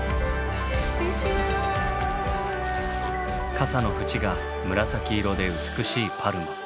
傘の縁が紫色で美しいパルモ。